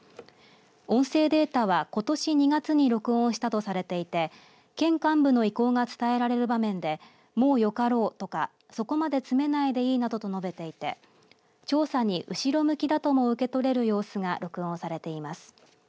音声データはことし２月に録音したとされていて県幹部の意向が伝えられる場面でもうよかろうとかそこまで詰めないでいいなどと述べていて調査に後ろ向きだとも受け取れる様子が録音されています。